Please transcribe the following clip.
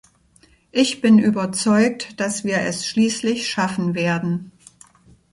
Ich bin überzeugt, dass wir es schließlich schaffen werden.